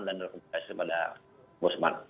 dan rekomendasi pada boseman